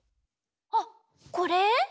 あっこれ？